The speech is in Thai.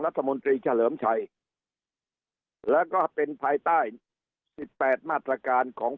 รัฐมนตรีเฉลิมชัยแล้วก็เป็นภายใต้๑๘มาตรการของ